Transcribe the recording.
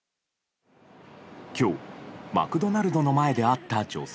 今日、マクドナルドの前で会った女性。